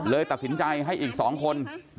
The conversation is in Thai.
เพื่อนบ้านเจ้าหน้าที่อำรวจกู้ภัย